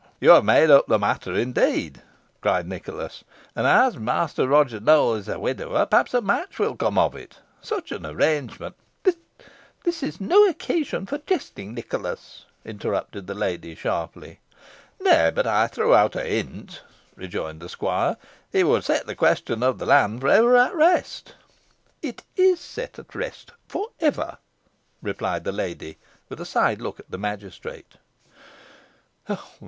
"You have made up the matter, indeed," cried Nicholas, "and, as Master Roger Nowell is a widower, perhaps a match may come of it. Such an arrangement" "This is no occasion for jesting, Nicholas," interrupted the lady, sharply. "Nay, I but threw out a hint," rejoined the squire. "It would set the question of the land for ever at rest." "It is set at rest for ever!" replied the lady, with a side look at the magistrate.